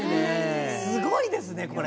すごいですねこれ。